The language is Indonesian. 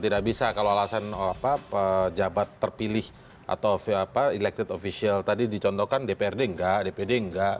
tidak bisa kalau alasan pejabat terpilih atau elected official tadi dicontohkan dprd enggak dpd enggak